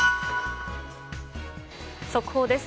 速報です。